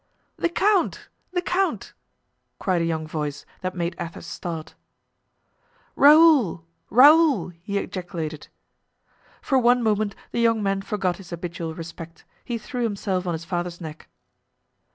"The count! the count!" cried a young voice that made Athos start. "Raoul! Raoul!" he ejaculated. For one moment the young man forgot his habitual respect—he threw himself on his father's neck.